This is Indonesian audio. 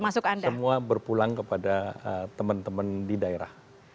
semua berpulang kepada teman teman di daerah